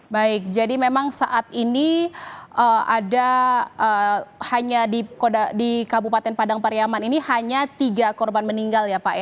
baik jadi memang saat ini ada hanya di kabupaten padang pariaman ini hanya tiga korban meninggal ya pak